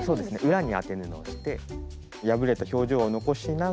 裏に当て布をして破れた表情を残しながら。